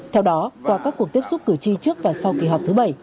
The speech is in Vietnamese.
theo đó qua các cuộc tiếp xúc cử tri trước và sau kỳ họp thứ bảy